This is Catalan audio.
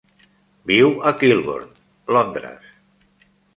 Viu a Kilburn, Londres.